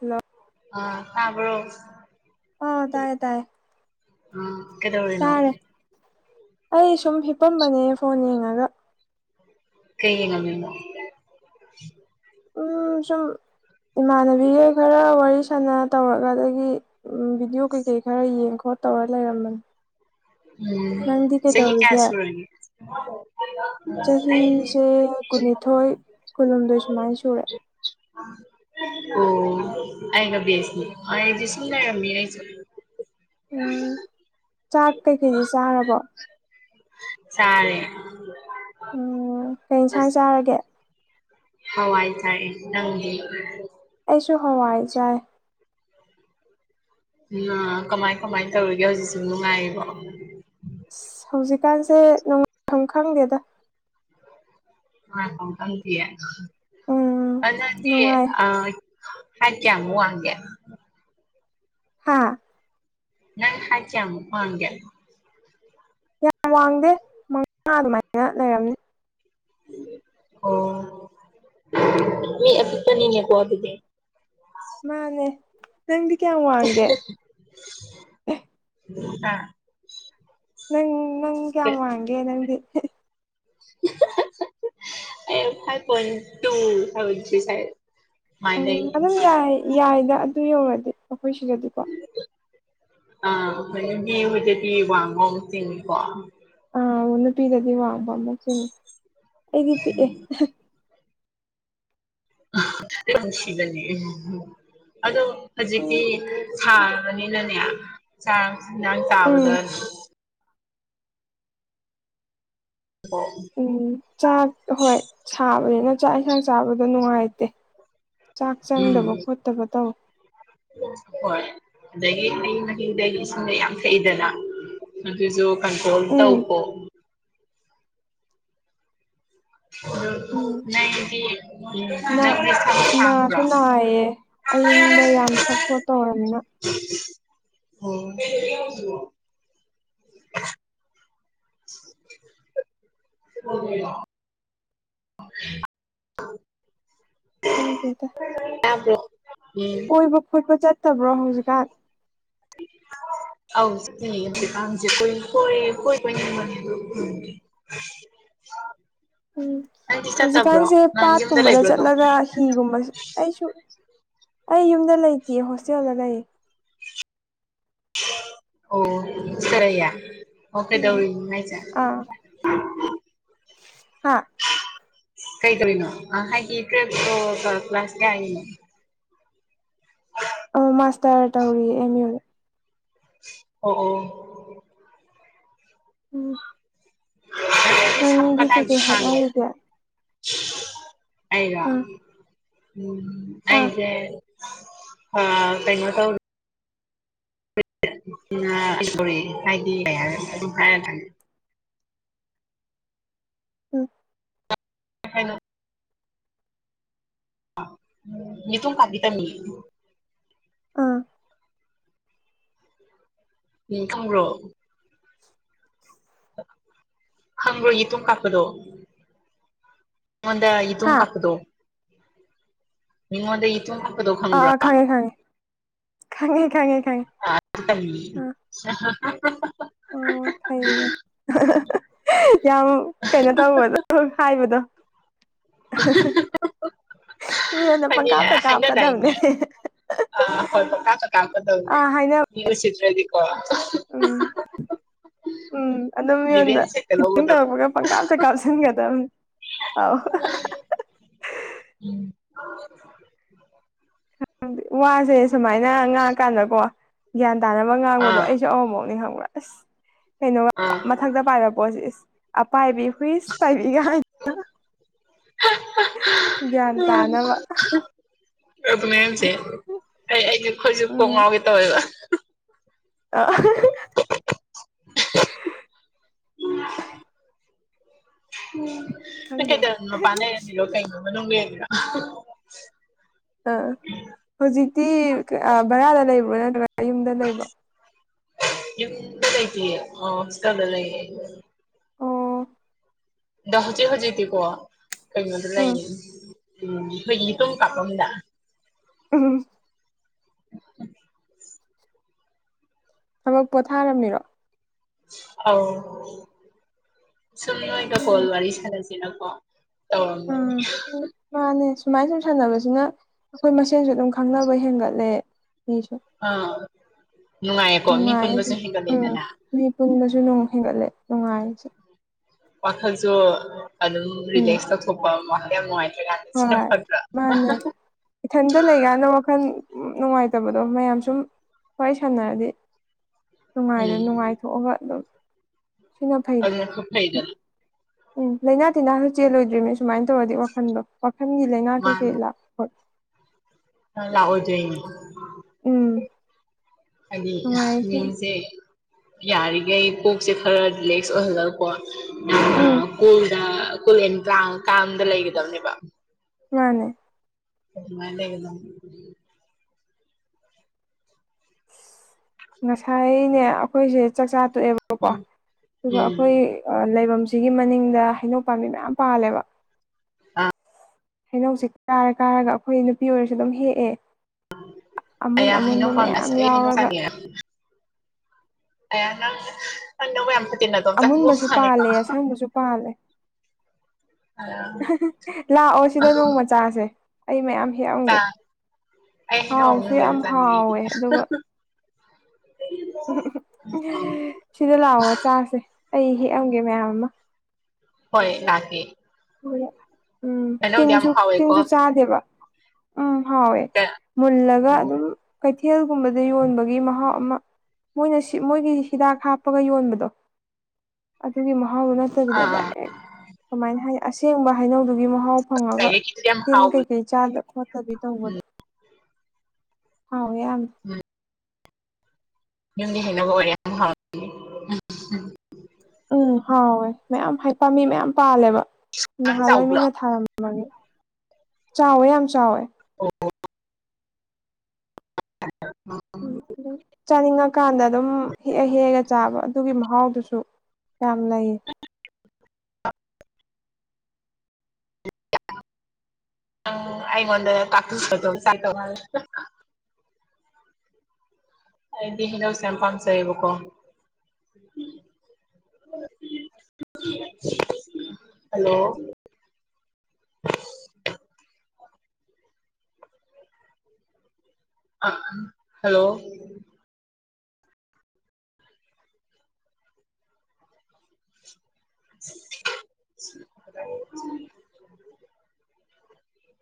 hello ꯑꯥ ꯇꯥꯕ꯭ꯔꯣ ꯑꯥ ꯇꯥꯏꯌꯦ ꯇꯥꯏꯌꯦ ꯎꯝ ꯀꯩꯗꯧꯔꯤꯅꯣ ꯇꯥꯔꯦ ꯑꯩ ꯁꯨꯝ ꯍꯤꯞꯄꯝꯕꯅꯦ ꯐꯣꯟ ꯌꯦꯡꯉꯒ ꯀꯩ ꯌꯦꯡꯉꯝꯃꯤꯅꯣ ꯎꯝ ꯁꯨꯝ ꯏꯃꯥꯟꯅꯕꯤꯒ ꯈꯔ ꯋꯥꯔꯤ ꯁꯥꯟꯅ ꯇꯧꯔꯒ ꯑꯗꯒꯤ ꯎꯝ ꯚꯤꯗꯤꯑꯣ ꯀꯩꯀꯩ ꯈꯔ ꯌꯦꯡ ꯈꯣꯠ ꯇꯧꯔ ꯂꯩꯔꯝꯕꯅꯦ ꯎꯝ ꯅꯪꯗꯤ ꯆꯍꯤ ꯀꯌꯥ ꯀꯩꯗꯧꯔꯤꯒꯦ ꯁꯨꯔꯒꯦ ꯆꯍꯤꯁꯦ ꯀꯨꯟꯅꯤꯊꯣꯏ ꯀꯨꯟꯍꯨꯝꯗꯣꯏ ꯁꯨꯃꯥꯏ ꯁꯨꯔꯦ [inaudible] ꯑꯣ ꯑꯩꯒ ꯕꯦꯁꯅꯦ ꯑꯩꯗꯤ ꯁꯨꯝ ꯂꯩꯔꯝꯃꯤꯅꯦ ꯑꯩꯁꯨ ꯎꯝ ꯆꯥꯛ ꯀꯩꯀꯩꯗꯤ ꯆꯥꯔꯕꯣ ꯆꯥꯔꯦ ꯎꯝ ꯀꯩ ꯏꯟꯁꯥꯡ ꯑꯁ ꯆꯥꯔꯒꯦ ꯍꯋꯥꯏ ꯆꯥꯏꯌꯦ ꯅꯪꯗꯤ ꯑꯩꯁꯨ ꯍꯋꯥꯏ ꯆꯥꯏ ꯑ ꯀꯃꯥꯏ ꯀꯃꯥꯏ ꯇꯧꯔꯤꯒꯦ ꯍꯧꯖꯤꯛꯁꯤꯕꯨ ꯅꯨꯡꯉꯥꯏꯔꯤꯕꯣ ꯑꯁ ꯍꯧꯖꯤꯛꯀꯥꯟꯁꯦ [inaudible] ꯐꯝ ꯈꯪꯗꯦꯗ ꯅꯨꯡꯉꯥꯏꯐꯝ ꯈꯪꯗꯤꯌꯦ ꯎꯝ ꯑꯗꯨꯗꯤ ꯅꯨꯡꯉꯥꯏ ꯑ ꯍꯥꯏꯠ ꯀꯌꯥꯃꯨꯛ ꯋꯥꯡꯒꯦ ꯍꯥꯥ ꯅꯪ ꯍꯥꯏꯠ ꯀꯌꯥꯃꯨꯛ ꯋꯥꯡꯒꯦ ꯌꯥꯝ ꯋꯥꯡꯗꯦ ꯃꯉꯥ ꯑꯗꯨꯃꯥꯏꯅ ꯂꯩꯔꯝꯅꯤ ꯑꯣ ꯃꯤ ꯑꯄꯤꯛꯄꯅꯤꯅꯦꯀꯣ ꯑꯗꯨꯗꯤ ꯃꯥꯅꯦ ꯅꯪꯗꯤ ꯀꯌꯥꯝ ꯋꯥꯡꯒꯦ ꯑꯦ ꯑꯥ ꯅꯪ ꯅꯪ ꯀꯌꯥꯝ ꯋꯥꯡꯒꯦ ꯅꯪꯗꯤ ꯑꯩ five point two five point three ꯁ꯭ꯋꯥꯏꯗ ꯎꯝ ꯑꯗꯨꯝ ꯌꯥꯏ ꯌꯥꯏꯗ ꯑꯗꯨ ꯌꯧꯔꯗꯤ ꯑꯩꯈꯣꯏ ꯁꯤꯗꯗꯤꯀꯣ ꯑ [inaudible] ꯋꯥꯡꯕ ꯆꯤꯡꯉꯤꯀꯣ ꯑꯥ ꯅꯨꯄꯤꯗꯗꯤ ꯋꯥꯡꯕ ꯑꯃꯨꯛ ꯆꯤꯡꯉꯦ ꯑꯩꯗꯤ ꯄꯤꯛꯑꯦ ꯅꯨꯡꯁꯤꯕꯅꯦ ꯑꯗꯣ ꯎꯝ ꯍꯧꯖꯤꯛꯇꯤ ꯁꯥ ꯕꯅꯤꯅꯅꯦ ꯆꯥꯛ ꯏꯟꯖꯥꯡ ꯎꯝ ꯆꯥꯕꯗ [unintelligible] ꯎꯝ ꯆꯥꯛ ꯍꯣꯏ ꯁꯥꯕꯅꯤꯅ ꯆꯥꯛ ꯌꯦꯟꯁꯥꯡ ꯆꯥꯕꯗꯣ ꯅꯨꯡꯉꯥꯏꯇꯦ ꯆꯥꯛ ꯆꯪꯗꯕ ꯈꯣꯠꯇꯕ ꯇꯧꯏ ꯍꯣꯏ ꯑꯗꯒꯤ ꯍꯩ ꯃꯍꯤ ꯗꯒꯤ ꯏꯁꯤꯡꯗꯩ ꯌꯥꯝ ꯊꯛꯏꯗꯅ ꯑꯗꯨꯁꯨ ꯀꯟꯇ꯭ꯔꯣꯜ ꯎꯝ ꯇꯧꯀꫭ ꯎꯝ ꯅꯪꯗꯤ ꯅꯥ ꯅꯪꯗꯤ ꯊꯕꯛ ꯅꯥꯁꯨ ꯍꯥꯡꯕ꯭ꯔꫭ ꯅꯥꯏꯌꯦ ꯑꯏꯪꯕ ꯌꯥꯝ ꯊꯛ ꯈꫭꯠ ꯇꯧꯔꯕꯅꯤꯅ [unintelligible] [inaudible] [inaudible] ꯈꯪꯗ°ꯗꯥ [inaudible] ꯇꯥꯕꯔꯣ ꯎꯝ ꯊꯏꯕ ꯈꯣꯠꯄ ꯆꯠꯇꯕ꯭ꯔꯣ ꯍꯧꯖꯤꯛꯀꯥꯟ ꯑꯧ ꯆꯠꯇ°ꯑ° [unintelligible] [unintelligible] ꯎꯝ ꯆꯠꯇꯕ꯭ꯔꯣ ꯍꯧꯖꯤꯛꯀꯥꯟꯁꯦ ꯅꯪ ꯌꯨꯝꯗ ꯄꯥꯠꯀꯨꯝꯕꯗ ꯂꯩꯕ꯭ꯔꯣ ꯑꯗꯨꯝ ꯆꯠꯂꯒ ꯐꯤꯒꯨꯝꯕꯁꯨ ꯑꯩꯁꯨ ꯑꯩ ꯌꯨꯝꯗꯥ ꯂꯩꯇꯦ ꯍꯣꯁꯇꯦꯜꯗ ꯂꯩꯌꯦ ꯑꯣꯑꫭ [inaudible] ꯑꫭ ꯀꯩꯗꯧꯔꯤꯅꫭ ꯍꯥꯏꯁ° ꯑꯥ ꯍꯥ ꯀꯩ ꯇꯔꯤꯅꯣ ꯍꯥꯏꯗꯤ [inaudible] ꯀ꯭ꯂꯥꯁ ꯀꯌꯥꯅꫭ ꯑꫭ ꯃꯥꯁꯇꯔ ꯇꯧꯔꯤꯑ° ꯑꯦꯝ ꯏꯨ ꯗꯥ ꯑꯣ ꯑꯣ [inaudible] ꯅꯪꯗꯤ ꯀꯗꯥꯏꯗꯥ ꯀꯩꯀꯩ ꯁꯥꯍꯟꯒ° ꯍꯣꯠꯅꯔꯤꯒꯦ ꯑꯩꯔꫭ ꯑꯥ ꯑꯥ ꯑꯩꯁꯦ ꯑꯥ ꯀꯩꯅ ꯇꯧ [unintelligible] ꯎꯝ ꯀꯩ ꯍꯥꯏꯅꯣ ꯌ°ꯇꯨꯝ ꯀꯥꯕꯤ ꯇꯝꯃꯤꯑ° ꯑꯥ [unintelligible] ꯈꯪꯕꯔꫭ ꯈꯪꯕꯔꫭ ꯌ°ꯇꯨꯝ ꯀꯥꯞꯄꯗꯨ [unintelligible] ꯇꯨꯝ ꯍꯥ ꯀꯥꯞꯄꯗꫭ ꯃꯤꯉꫭꯟꯗꯥ ꯌ°ꯇꯨꯝ ꯑꯥ ꯑꯥ ꯈꯪꯉꯦ ꯈꯪꯉꯦ ꯈꯉꯦ ꯈꯪꯉꯦ ꯈꯉꯦ [unintelligible] ꯑꯣ ꯐꯩꯅꯦ ꯌꯥꯝ ꯀꯩꯅꯣ ꯇꯧꯕꯗꯣ ꯍꯥꯏꯕꯗꯣ ꯃꯤꯉꯣꯟꯗ ꯄꯪꯀꯥꯞꯇ ꯀꯥꯞꯀꯗꯕꯅꯦ ꯑꯥ ꯍꫭꯏ ꯄꯀꯥꯞ ꯇꯥ ꯀꯥꯞꯀꯗꯧꯅꯦ ꯑꯥ ꯍꯥꯏꯅ ꯃꯤ ꯎꯁꯤꯠꯇ꯭ꯔꯗꯤꯀꯣ ꯎꯝ ꯎꯝ ꯑꯝ ꯃꯤꯉꯣꯟꯗ ꯔꯤꯚꯦꯟꯁ ꯍꯦꯛꯇ ꯈꯤꯇꯪ ꯂꯧꯒꯗꯕ ꯇꯧꯔꯛꯄꯒ ꯄꯪꯀꯥꯝꯇ ꯀꯥꯞꯁꯤꯟꯒꯗꯕꯅꯤ ꯑꯧ [inaudible] ꯋꯥꯁꯦ ꯁꯨꯃꯥꯏꯅ ꯉꯥꯡꯉꯀꯥꯟꯗꯀꯣ ꯒ꯭ꯌꯥꯟ ꯇꯥꯅꯕ ꯉꯥꯡꯕꯗꯣ ꯑꯥ ꯑꯩꯁꯨ ꯑꯃꯥꯃꫭꯛꯅꯤ ꯈꯪꯕ꯭ꯔꯥ ꯑꯁ ꯀꯩꯅꯣ ꯑꯥ [inaudible] ꯃꯊꯛꯇ ꯄꯥꯏꯕ ꯄꯣꯠꯁ° ꯏꯁ ꯑꯄꯥꯏꯕꯤ ꯍꯨꯏꯁ ꯄꯥꯏꯕꯤꯒ [inaudible] ꯒ꯭ꯌꯥꯟ ꯇꯥꯅꯕ ꯑꯗꯨꯅꯦꯖꯦ ꯑꯩ ꯑꯩꯁꯨ ꯈꯣꯏꯁꯨ ꯀꯣꯛ ꯉꯥꯎꯒꯦ ꯇꯧꯋꯦꯕ ꯑ ꯎ ꯅꯪ ꯈꯪꯗꯦꯗ ꯀꯩꯗꯧ ꯃꯄꯥꯟ ꯂꯩꯔꯝꯃꯤꯔꯣ ꯀꯩꯅꯣ ꯃꯅꯨꯡ ꯂꯩꯔꯝꯃꯤꯔꯣ ꯑ ꯍꯧꯖꯤꯛꯇꯤ ꯚꯔꯥꯗ ꯂꯩꯕ꯭ꯔꯣ ꯅꯠꯇ꯭ꯔꯒ ꯌꯨꯝꯗ ꯂꯩꯕ꯭ꯔꯣ ꯌꯨꯝꯗ ꯂꯩꯇꯤꯌꯦ ꯍꯣꯁꯇꯦꯜꯗ ꯂꯩꯌꯦ ꯑꯣ ꯑꯗꯣ ꯍꯧꯖꯤꯛ ꯍꯧꯖꯤꯛꯇꯤꯀꯣ ꯀꯩꯅꯣꯗ ꯎꯝ ꯂꯩꯌꯦ ꯎꯝ ꯑꯩꯈꯣꯏꯒꯤ ꯌꯇꯨꯝ ꯀꯥꯄꯝꯗ ꯎꯝ ꯊꯕꯛ ꯄꯣꯊꯥꯔꯝꯃꯤꯔꯣ ꯑꯧ ꯁꯨꯝ ꯅꯣꯏꯒ ꯀꯣꯜ ꯋꯥꯔꯤ ꯁꯥꯟꯅꯁꯤꯅꯀꯣ ꯎꯝ [unintelligible] ꯃꯥꯅꯦ ꯁꯨꯃꯥꯏ ꯁꯨꯝ ꯁꯥꯟꯅꯕꯁꯤꯅ ꯑꯩꯈꯣꯏ ꯃꯁꯦꯟꯁꯨ ꯑꯗꯨꯝ ꯈꯪꯅꯕ ꯍꯦꯟꯒꯠꯂꯦ ꯃꯤꯁꯨ ꯑꯥ ꯅꯨꯡꯉꯥꯏꯌꯦꯀꯣ ꯃꯤ ꯅꯨꯡꯉꯥꯏꯌꯦꯁꯨ ꯄꯨꯟꯕꯁꯨ ꯎꯝ ꯍꯦꯟꯒꯠꯂꯦꯗꯅ ꯃꯤ ꯄꯨꯨꯟꯕꯁꯨ ꯅꯨꯡ ꯍꯦꯟꯒꯠꯂꯦ ꯅꯨꯡꯉꯥꯏꯔꯤ ꯋꯥꯈꯜꯁꯨ ꯑꯗꯨꯝ ꯎꯝ ꯔꯤꯂꯦꯛꯁ ꯇꯧꯊꯣꯛꯄ ꯋꯥꯈꯜ ꯌꯥꯝ ꯅꯨꯡꯉꯥꯏꯇ꯭ꯔꯦ ꯀꯥꯟꯗ ꯁꯤꯅꯥ ꯐꯇꯔꯥ ꯏꯊꯟꯗ ꯂꯩꯀꯥꯟꯗ ꯋꯥꯈꯜ ꯅꯨꯡꯉꯥꯏꯇꯕꯗꯣ ꯃꯌꯥꯝ ꯁꯨꯝ ꯋꯥꯔꯤ ꯁꯥꯟꯅꯔꯗꯤ ꯅꯨꯡꯉꯥꯏꯗ ꯎꯝ ꯅꯨꯡꯉꯥꯏꯊꯣꯛꯑꯒ ꯑꯗꯨꯝ ꯁꯤꯅ ꯐꯩ ꯁꯤꯅ ꯈ ꯐꯩꯗꯅ ꯎꯝ ꯂꯩꯥꯅꯥ ꯇꯤꯟꯅꯥꯁꯨ ꯆꯦꯜꯂꯣꯏꯗ꯭ꯔꯤꯅꯦ ꯁꯨꯃꯥꯏꯅ ꯇꯧꯔꯗꯤ ꯋꯥꯈꯟꯗꯣ ꯋꯥꯥꯈꯜꯒꯤ ꯂꯥꯏꯅꯥ ꯀꯩꯀꯩ ꯂꯥꯛ ꯍ‌ꯣꯏ ꯂꯥꯛꯑꯣꯏꯗꯨꯏꯅꯤ ꯎꯝ ꯍꯥꯏꯗꯤ ꯅꯨꯡꯉꯥꯏꯁꯤꯅ ꯃꯤꯁꯦ ꯌꯥꯔꯤꯒꯩ ꯀꯣꯛꯁꯦ ꯈꯔ ꯔꯤꯂꯦꯛꯁ ꯎꯝ ꯑꯣꯏꯍꯜꯂꯒꯀ‌ꯣ ꯀꯨꯜꯗ ꯀꯨꯜ ꯌ‌ꯦꯟ ꯀꯥꯝ ꯀꯥꯝꯗ ꯂꯩꯒꯗꯕꯅꯦꯕ ꯃꯥꯅꯦ ꯑꯗꯨꯃꯥꯏ ꯂꯩꯒꯗꯕꯅ‌ꯦ ꯉꯁꯥꯏꯅꯦ ꯑꯩꯈꯣꯏꯁꯦ ꯆꯥꯛꯆꯥ ꯇꯣꯛꯑꯦꯕ ꯑꯣꯀꯣ ꯎꯝ ꯑꯗꯨꯒ ꯎꯝ ꯑꯩꯈꯣꯏ ꯂꯩꯕꯝꯁꯤꯒꯤ ꯃꯅꯤꯡꯗ ꯍꯩꯅꯧ ꯄꯥꯝꯕꯤ ꯃꯌꯥꯝ ꯄꯥꯜꯂꯦꯕ ꯑ ꯍꯩꯅꯧꯁꯦ ꯀꯥꯔ ꯀꯥꯔꯒ ꯑꯩꯈꯣꯏ ꯅꯨꯄꯤ ꯑꯣꯏꯔꯁꯨ ꯑꯗꯨꯝ ꯍꯦꯛꯑꯦ ꯑꯃꯨꯟ ꯑꯩꯌꯥ ꯑꯃꯨꯟꯕ ꯍꯩꯅꯧ ꯄꯥꯝꯃꯦ ꯃꯌꯥꯝ ꯑꯁ ꯑꯩ ꯍꯩꯅꯧ ꯌꯥꯎꯔꯒ ꯑꯌꯥ ꯅꯪ ꯅꯪ ꯅꯕꯨꯛ ꯌꯥꯝ ꯐꯠ ꯑꯃꯨꯟꯕꯁꯨ ꯄꯥꯜꯂꯦ ꯑꯁꯪꯕꯁꯨ ꯄꯥꯜꯂꯦ ꯂꯥꯛꯑꯣ ꯁꯤꯗ ꯅꯣꯡꯃ ꯆꯥꯁꯦ ꯑꯩ ꯃꯌꯥꯝ ꯍꯦꯛꯑꯝꯒꯦ ꯑꯩ ꯍꯩꯅꯧ ꯍꯥꯎꯁꯨ ꯑꯃꯨꯟꯕ ꯌꯥꯝ ꯆꯥꯅꯤꯡꯉꯦ ꯑꯩꯗꯤ ꯍꯥꯎꯋꯦ ꯑꯗꯨꯒ ꯑ ꯁꯤꯗ ꯂꯥꯛꯑꯣ ꯆꯥꯁꯦ ꯑꯩ ꯍꯦꯛꯑꯝꯒꯦ ꯃꯌꯥꯝ ꯑꯃ ꯍꯣꯏ ꯂꯥꯛꯀꯦ ꯍ ꯎꯝ ꯍꯩꯅꯧꯗꯤ ꯌꯥꯝ ꯇꯤꯟꯁꯨ ꯍꯥꯎꯋꯦꯀꯣ ꯇꯤꯟꯁꯨ ꯆꯥꯗꯦꯕ ꯎꯝ ꯍꯥꯎꯋꯦ ꯃꯨꯜꯂꯒ ꯎꯝ ꯑꯗꯨꯝ ꯀꯩꯊꯦꯜꯒꯨꯝꯕꯗ ꯌꯣꯟꯕꯒꯤ ꯃꯍꯥꯎ ꯑꯃ ꯃꯣꯏꯅ ꯁꯤ ꯃꯣꯏꯒꯤ ꯍꯤꯗꯥꯛ ꯍꯥꯞꯄꯒ ꯌꯣꯟꯕꯗꯣ ꯑꯗꯨꯒꯤ ꯃꯍꯥꯎꯗꯨꯅ ꯐꯠꯇꯕꯤꯗ ꯑꯥ ꯗꯥꯏꯔꯦꯛ ꯀꯃꯥꯏꯅ ꯍꯥꯏ ꯑꯁꯦꯡꯕ ꯍꯩꯅꯧꯗꯨꯒꯤ ꯃꯍꯥꯎ ꯐꯪꯉꯒ ꯂꯥꯏꯔꯤꯛꯀꯤꯗꯨꯗꯤ ꯌꯥꯝ ꯇꯤꯟ ꯀꯩ ꯍꯥꯎꯕꯅꯦ ꯀꯩ ꯆꯥꯗ ꯈꯣꯠꯇꯕꯤ ꯇꯧꯕꯗꯣ ꯍꯥꯎꯌ‌ꯦ ꯌꯥꯝ ꯎꯝ ꯌꯨꯝꯒꯤ ꯍꯩꯅꯧꯒ ꯑꯣꯏꯔꯦ ꯌꯝ ꯍꯥꯎꯅꯤ ꯎꯝ ꯍꯥꯎꯋꯦ ꯃꯌꯥꯝ ꯍꯩ ꯄꯝꯕꯤ ꯃꯌꯥꯝ ꯄꯥꯜꯂꯦꯕ ꯅꯪ ꯅꯍꯥꯟꯋꯥꯏ ꯆꯥꯎꯕ꯭ꯔꯣ ꯃꯤꯅ ꯊꯥꯔꯝꯕ ꯆꯥꯎꯋꯦ ꯌꯥꯝ ꯆꯥꯎꯋꯦ ꯑꯣ [inaudible] [inaudible] ꯆꯥꯅꯤꯡꯉꯀꯥꯟꯗ ꯑꯗꯨꯝ ꯍꯦꯛꯑ ꯍꯦꯛꯑꯒ ꯆꯥꯕ ꯑꯗꯨꯒꯤ ꯃꯍꯥꯎꯗꯨꯁꯨ ꯌꯥꯝ ꯅꯩ ꯎꯝ ꯑꯩꯉ‌ꯣꯟꯗ ꯀꯥꯛꯇꯨꯁ‌ ꯁꯥꯗ‌ꯣꯟ ꯆꯥꯗꯧ ꯃꯥꯜꯂ‌ꯦ ꯑꯩꯗꯤ ꯍꯩꯅꯧꯁꯦ ꯌꯥꯝ ꯄꯥꯝꯖꯩꯌ‌ꯦꯕꯀ‌ꯣ ꯍꯜꯂꯣ ꯍꯜꯂꯣ [inaudible]